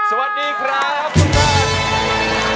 สวัสดีครับ